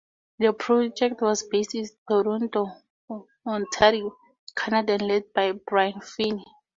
The project was based in Toronto, Ontario, Canada and led by Brian Feeney.